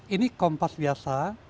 ini kompas biasa